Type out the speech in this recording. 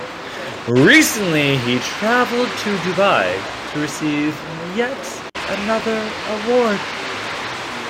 Recently, he travelled to Dubai to receive yet another award.